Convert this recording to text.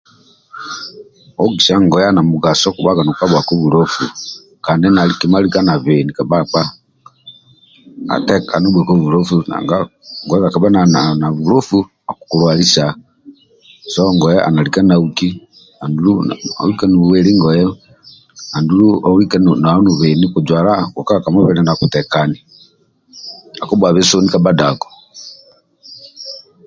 Ogisa ngoye ali na mugaso okubhaga nokabhuwaku bulofu, Kandi na lika nobheni ka bhakpa atekane, obhuweku bulofu nanga ngoye kabha nali na bulofu, akukulwalisa, so ngoye ali na lika nauki andulu olika nohuheli ngoye andulu olika nawe nobheni kojwala okulikaga ka mubili nakutekani, akubhuwabe soni ka bhadhako.